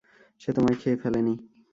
সে তোমায় খেয়ে ফেলেনি।